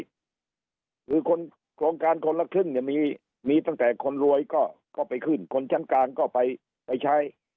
คือคนโครงการคนละครึ่งเนี่ยมีตั้งแต่คนรวยก็ไปขึ้นคนชั้นกลางก็ไปใช้